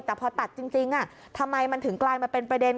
แต่พอตัดจริงทำไมมันถึงกลายมาเป็นประเด็น